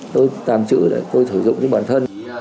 tôi tàm chữ để tôi sử dụng cho bản thân